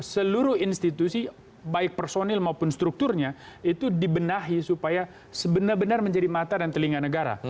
seluruh institusi baik personil maupun strukturnya itu dibenahi supaya sebenar benar menjadi mata dan telinga negara